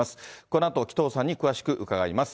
このあと、紀藤さんに詳しく伺います。